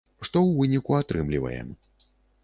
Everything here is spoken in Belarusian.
Што ў выніку атрымліваем.